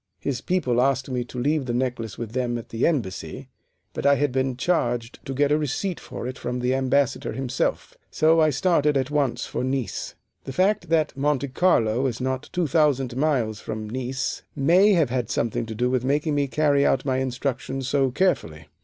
His people asked me to leave the necklace with them at the Embassy, but I had been charged to get a receipt for it from the Ambassador himself, so I started at once for Nice The fact that Monte Carlo is not two thousand miles from Nice may have had something to do with making me carry out my instructions so carefully.